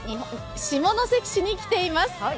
下関市に来ています。